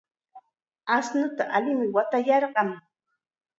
Ashnuta allim watayarqan.